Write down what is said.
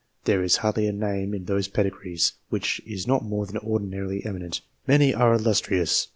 There is hardly a name in those pedigrees which is not more than ordinarily eminent : many are illustrious.